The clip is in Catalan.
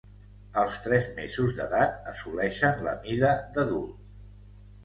Als tres mesos d'edat assoleixen la mida d'adult.